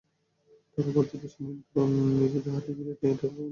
তাঁরা বলছেন, দেশের নিয়ন্ত্রণ নিজেদের হাতে ফিরিয়ে আনার এটাই মোক্ষম সময়।